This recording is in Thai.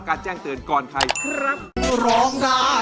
คุณโอร้อง